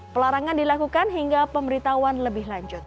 pelarangan dilakukan hingga pemberitahuan lebih lanjut